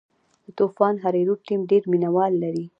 د طوفان هریرود ټیم ډېر مینه وال لري.